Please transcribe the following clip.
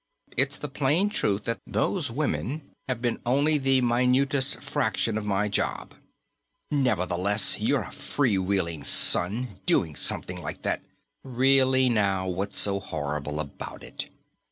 It's the plain truth that those women have been only the minutest fraction of my job." "Nevertheless, you're a free wheeling son, doing something like that " "Really, now, what's so horrible about it?